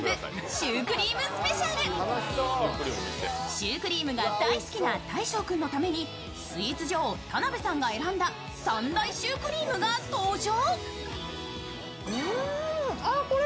シュークリームが大好きな大昇君のためにスイーツ女王、田辺さんが選んだ３大シュークリームが登場。